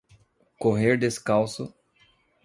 Correr descalço